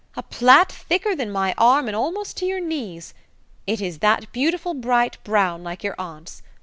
A plait thicker than my arm and almost to your knees! It is that beautiful bright brown like your aunt's.